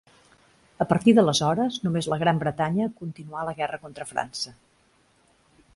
A partir d'aleshores, només la Gran Bretanya continuà la guerra contra França.